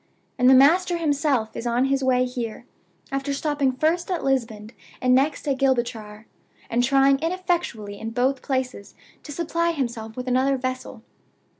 And the master himself is on his way here, after stopping first at Lisbon, and next at Gibraltar, and trying ineffectually in both places to supply himself with another vessel.